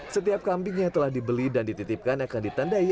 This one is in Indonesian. setiap kambing yang telah dibeli dan dititipkan akan ditandai